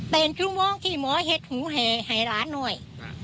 เป็นชั่วโมงที่หมอเห็ดหูให้หลานหน่อย